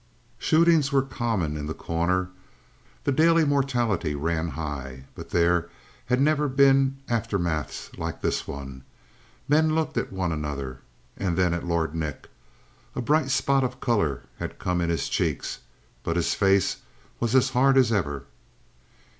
Shootings were common in The Corner; the daily mortality ran high; but there had never been aftermaths like this one. Men looked at one another, and then at Lord Nick. A bright spot of color had come in his cheeks, but his face was as hard as ever.